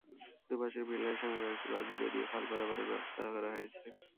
দুপাশের পিলারের সঙ্গে কয়েকটি বাঁশ জুড়ে দিয়ে খাল পারাপারের ব্যবস্থা হয়েছে।